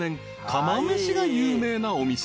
釜飯が有名なお店］